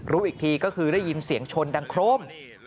รู้อีกทีก็คือได้ยินเสียงชนดังโครม